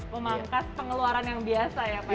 memangkas pengeluaran yang biasa ya pak